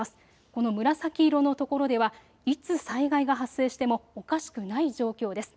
この紫色のところではいつ災害が発生してもおかしくない状況です。